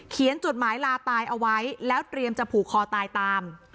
จดหมายลาตายเอาไว้แล้วเตรียมจะผูกคอตายตาม